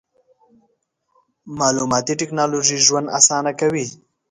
مالوماتي ټکنالوژي ژوند اسانه کوي.